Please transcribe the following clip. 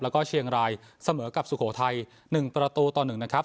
แล้วก็เชียงรายเสมอกับสุโขทัย๑ประตูต่อ๑นะครับ